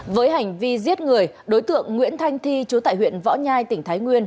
với hành vi giết người đối tượng nguyễn thanh thi chú tại huyện võ nhai tỉnh thái nguyên